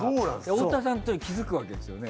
太田さん気づくわけですよね？